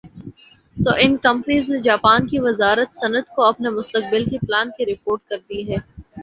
تو ان کمپنیز نےجاپان کی وزارت صنعت کو اپنے مستقبل کے پلان کی رپورٹ کر دی ھے